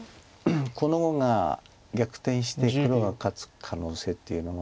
この碁が逆転して黒が勝つ可能性っていうのが。